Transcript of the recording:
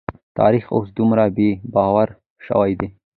تاريخ اوس دومره بې باوره شوی دی.